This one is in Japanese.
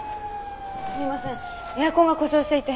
すみませんエアコンが故障していて。